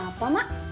masak apa mak